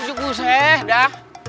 juku seh dah